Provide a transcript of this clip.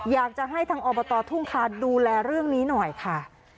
อยากจะให้ทางอบตทุ่งคาดูแลเรื่องนี้หน่อยค่ะ